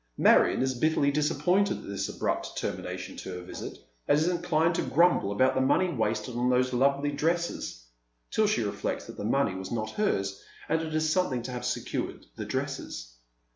Marion is bitterly disappointed at this abrupt tenni nation to her visit, and is incHned to gnimble about tlie money wasted on those lovely dresses, till she reflects that the money was not hers, and that it is something to have secured the dresses.